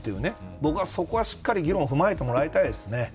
僕は、そこはしっかり議論を踏まえてもらいたいですね。